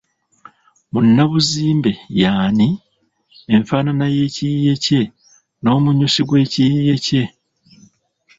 Munnabuzimbe y’ani, enfaanana y’ekiyiiye kye, n’omunyusi gw’ekiyiiye kye.